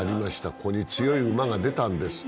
ここに強い馬が出たんです。